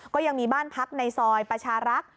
ก็ยังมีบ้านพักในซอยประชารักษ์